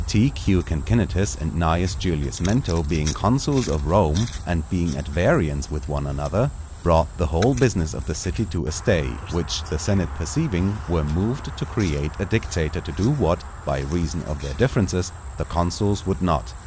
_ T.Q. CINCINNATUS and Cn. Julius Mento being consuls of Rome, and being at variance with one another, brought the whole business of the city to a stay; which the senate perceiving, were moved to create a dictator to do what, by reason of their differences, the consuls would not.